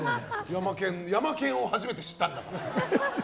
ヤマケンを初めて知ったんだから。